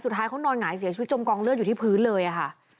เขานอนหงายเสียชีวิตจมกองเลือดอยู่ที่พื้นเลยค่ะ